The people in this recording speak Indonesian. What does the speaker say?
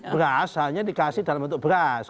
beras hanya dikasih dalam bentuk beras